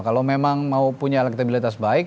kalau memang mau punya elektabilitas baik